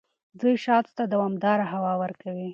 دوی شاتو ته دوامداره هوا ورکوي.